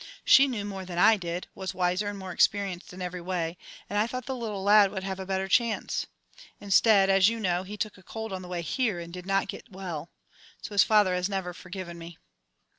She knew more than I did; was wiser and more experienced in every way, and I thought the little lad would have a better chance. Instead, as you know, he took cold on the way here and did not get well, so his father has never forgiven me."